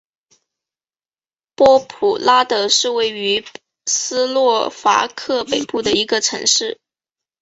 波普拉德是位于斯洛伐克北部的一个城市。